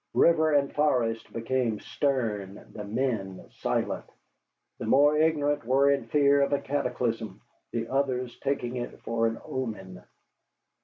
River and forest became stern, the men silent. The more ignorant were in fear of a cataclysm, the others taking it for an omen.